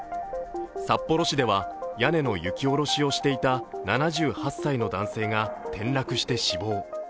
札幌市では屋根の雪下ろしをしていた７８歳の男性が転落して死亡。